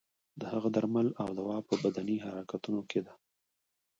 د هغه درمل او دوا په بدني حرکتونو کې ده.